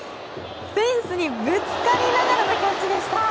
フェンスにぶつかりながらのキャッチでした！